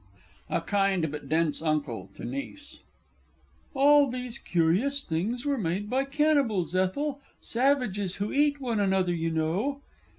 _ A KIND, BUT DENSE UNCLE (to NIECE). All these curious things were made by cannibals, ETHEL savages who eat one another, you know.